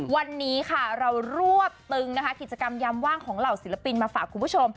วันนี้ค่ะเรารวบตึงนะคะกิจกรรมยามว่างของเหล่าศิลปินมาฝากคุณผู้ชม